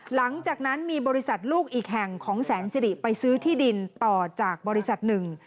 หลังจากนั้นมีบริษัทลูกอีกแห่งของแสนสิริไปซื้อที่ดินต่อจากบริษัทหนึ่ง